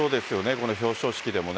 この表彰式でも。